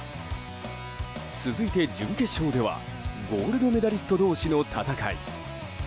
続いて準決勝ではゴールドメダリスト同士の戦い。